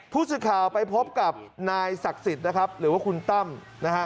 ผู้สื่อข่าวไปพบกับนายศักดิ์สิทธิ์นะครับหรือว่าคุณตั้มนะฮะ